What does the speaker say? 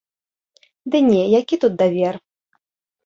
Ды не, які тут давер?